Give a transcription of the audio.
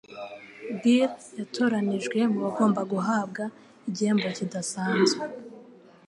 Bill yatoranijwe mubagomba guhabwa igihembo kidasanzwe.